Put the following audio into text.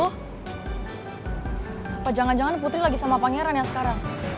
apa jangan jangan putri lagi sama pangeran ya sekarang